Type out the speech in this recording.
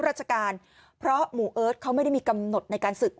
ราชการเพราะหมู่เอิร์ทเขาไม่ได้มีกำหนดในการศึก